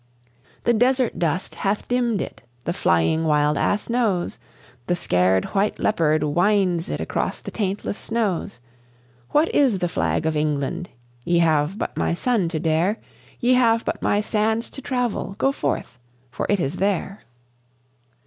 "The desert dust hath dimmed it, the flying wild ass knows. The scared white leopard winds it across the taintless snows. What is the Flag of England? Ye have but my sun to dare, Ye have but my sands to travel. Go forth, for it is there!"